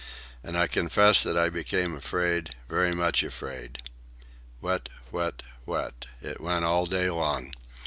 And I confess that I became afraid, very much afraid. Whet, whet, whet, it went all day long.